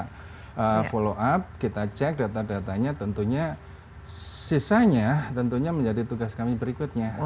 kita follow up kita cek data datanya tentunya sisanya tentunya menjadi tugas kami berikutnya